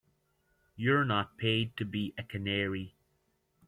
You're not paid to be a canary.